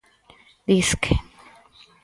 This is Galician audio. Disque.